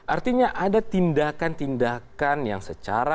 artinya ada tindakan tindakan yang secara